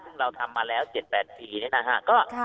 ซึ่งเราทำมาแล้วเจ็ดแปดทีนี้นะฮะก็ค่ะ